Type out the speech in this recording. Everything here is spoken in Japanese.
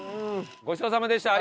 ごちそうさまでした。